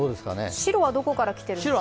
白はどこから来てるんですか？